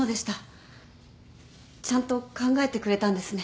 ちゃんと考えてくれたんですね。